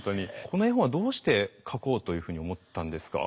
この絵本はどうして書こうというふうに思ったんですか？